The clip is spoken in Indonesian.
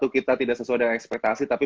kita tidak sesuai dengan ekspektasi tapi